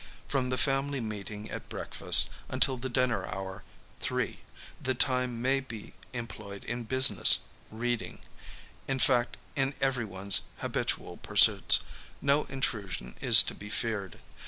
From the family meeting at breakfast until the dinner hour, three, the time may be employed in business, reading, in fact, in every one's habitual pursuits. No intrusion is to be feared.